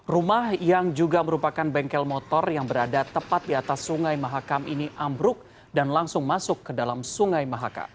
rumah yang juga merupakan bengkel motor yang berada tepat di atas sungai mahakam ini ambruk dan langsung masuk ke dalam sungai mahakam